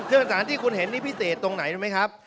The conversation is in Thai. เครื่องศักดิ์สารที่คุณเห็นนี่พิเศษตรงไหนรู้ไหมครับ